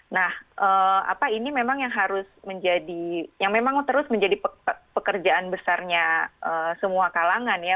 nah apa ini memang yang harus menjadi yang memang terus menjadi pekerjaan besarnya semua kalangan ya